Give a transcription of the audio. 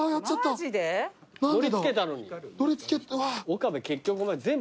岡部結局お前。